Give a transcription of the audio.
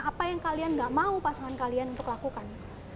apa yang kalian gak mau pasangan kalian untuk lakukan